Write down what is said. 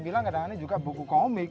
bila kadang kadang buku komik